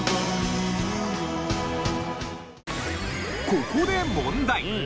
ここで問題。